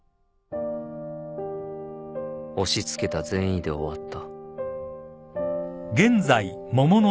押しつけた善意で終わった